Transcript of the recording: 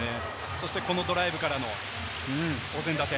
そしてこのドライブからの。お膳立て。